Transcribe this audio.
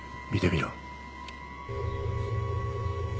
見てみろ。